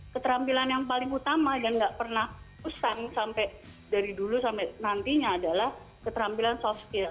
keterampilan yang paling utama dan gak pernah usang sampai dari dulu sampai nantinya adalah keterampilan soft skill